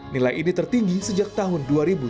nilai ini tertinggi sejak tahun dua ribu tujuh belas